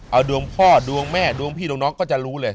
เอาดวงพ่อดวงแม่ดวงพี่ดวงน้องก็จะรู้เลย